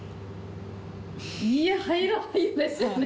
いや入らないですね。